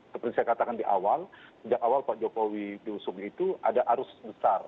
seperti saya katakan di awal sejak awal pak jokowi diusung itu ada arus besar